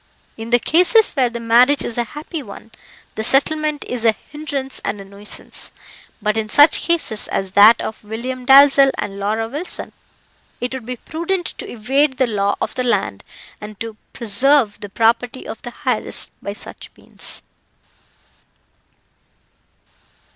In the cases where the marriage is a happy one, the settlement is a hindrance and a nuisance; but in such cases as that of William Dalzell and Laura Wilson, it would be prudent to evade the law of the land, and to preserve the property of the heiress by such means.